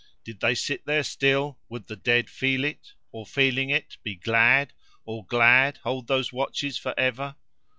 Did they sit there still, would the dead feel it? or feeling it, be glad? or glad, hold those watchers for ever?